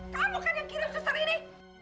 kamu kan yang kirim sesar ini